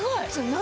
何？